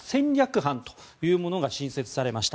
班というものが新設されました。